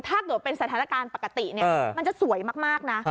ถ้าเกิดเป็นสถานการณ์ปกติมันจะสวยมากนะ